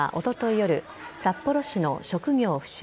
夜札幌市の職業不詳